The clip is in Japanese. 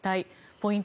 ポイント